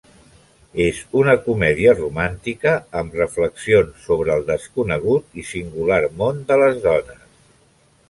És una comèdia romàntica amb reflexions sobre el desconegut i singular món de les dones.